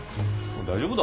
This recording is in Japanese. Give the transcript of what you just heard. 大丈夫だろ。